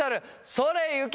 「それゆけ！